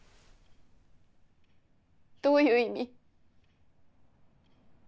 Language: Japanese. どういう意味？